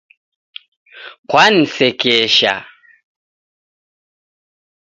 Kwanisekesha.